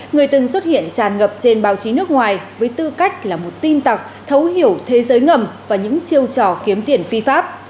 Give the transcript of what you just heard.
người từng xuất hiện tràn ngập trên báo chí nước ngoài với tư cách là một tin tặc thấu hiểu thế giới ngầm và những chiêu trò kiếm tiền phi pháp